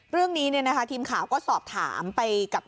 เรื่องนี้ทีมข่าวก็สอบถามไปกับ